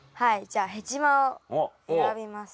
じゃあヘチマを選びます。